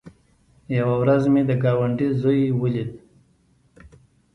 يوه ورځ مې د گاونډي زوى وليد.